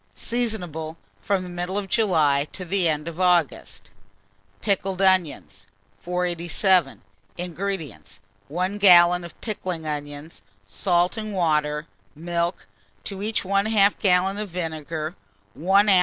Seasonable from the middle of July to the end of August. PICKLED ONIONS. 487. INGREDIENTS. 1 gallon of pickling onions, salt and water, milk; to each 1/2 gallon of vinegar, 1 oz.